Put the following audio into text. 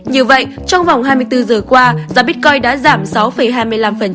như vậy trong vòng hai mươi bốn giờ qua giá bitcoin đã giảm sáu hai mươi năm